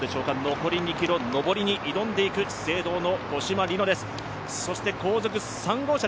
残り２ｋｍ、上りに挑んでいく資生堂の五島莉乃です。